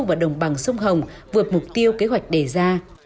và đồng bằng sông hồng vượt mục tiêu kế hoạch đề ra